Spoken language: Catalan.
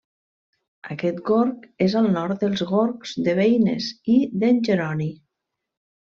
Aquest gorg és al nord dels gorgs de Beines i d'en Jeroni.